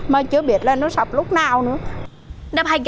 mà chưa biết là nó sập lúc nào nữa